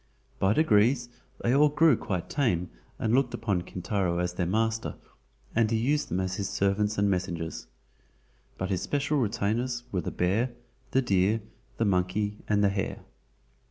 By degrees they all grew quite tame and looked upon Kintaro as their master, and he used them as his servants and messengers. But his special retainers were the bear, the deer, the monkey and the hare.